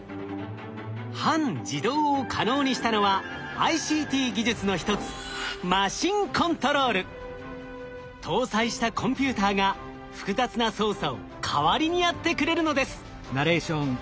半自動を可能にしたのはＩＣＴ技術の一つ搭載したコンピューターが複雑な操作を代わりにやってくれるのです。